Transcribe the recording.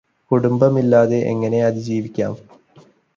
കുടുംബമില്ലാതെ എങ്ങനെ അതിജീവിക്കാം